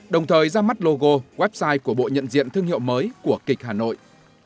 đồng thời ra mắt logo website của bộ nhận diện thương hiệu mới của kịch hà nội